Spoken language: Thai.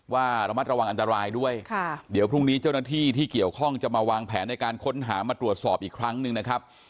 ว่าระมัดระวังอันตรายด้วยค่ะเดี๋ยวพรุ่งนี้เจ้าหน้าที่ที่เกี่ยวข้องจะมาวางแผนในการค้นหามาตรวจสอบอีกครั้งหนึ่งนะครับ